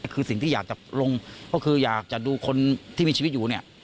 คือสิ่งที่อยากจะลงก็คืออยากจะดูคนที่มีชีวิตอยู่เนี่ย